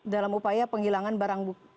dalam upaya penghilangan barang bukti